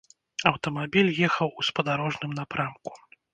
Аўтамабіль ехаў у спадарожным напрамку.